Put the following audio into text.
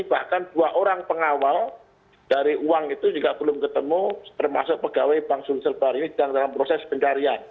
bahkan dua orang pengawal dari uang itu juga belum ketemu termasuk pegawai bank sumselbar ini sedang dalam proses pencarian